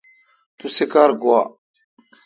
توسی کار گوا۔